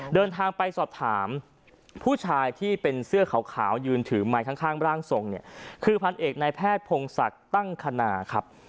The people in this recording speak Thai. เดินทางไปสอบถามผู้ชายที่เป็นเสื้อขาวยืนถือไมค์ข้างร่างทรงเนี่ยคือพันเอกนายแพทย์พงศักดิ์ตั้งคณาครับ